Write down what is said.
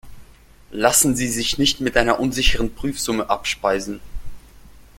Lassen Sie sich nicht mit einer unsicheren Prüfsumme abspeisen.